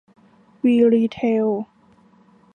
วีรีเทล